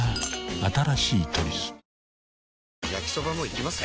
新しい「トリス」焼きソバもいきます？